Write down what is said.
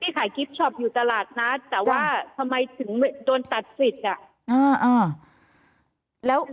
พี่ขายกิฟท์ชอปอยู่ตลาดนะแต่ว่าทำไมถึงโดนตัดสิทธิ์